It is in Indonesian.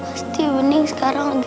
pasti bening sekarang